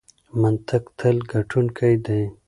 منطق تل ګټونکی دی.